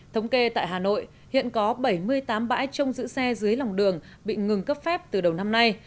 thống kê tại hà nội hiện có bảy mươi tám bãi trông giữ xe dưới lòng đường bị ngừng cấp phép từ đầu năm nay